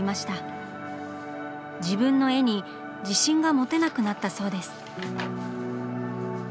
自分の絵に自信が持てなくなったそうです。